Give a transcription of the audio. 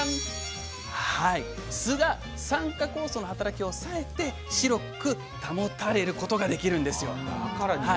酢が酸化酵素の働きを抑えて白く保たれることができるんですよ。